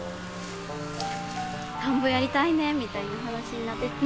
田んぼやりたいねみたいな話になってね。